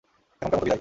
এখনকার মতো বিদায়!